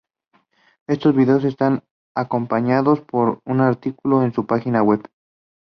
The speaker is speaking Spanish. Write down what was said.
Estos videos están acompañados por un artículo en su página web.